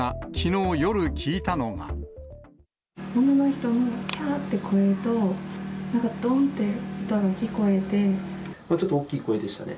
女の人のきゃーって声と、ちょっと大きい声でしたね。